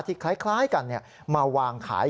คล้ายกันมาวางขาย